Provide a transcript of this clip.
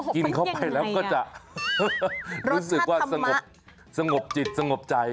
กินเข้าไปแล้วก็จะรู้สึกว่าสงบสงบจิตสงบใจ